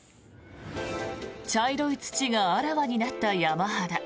茶色い土があらわになった山肌。